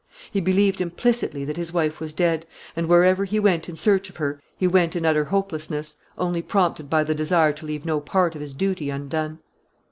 He believed implicitly that his wife was dead, and wherever he went in search of her he went in utter hopelessness, only prompted by the desire to leave no part of his duty undone.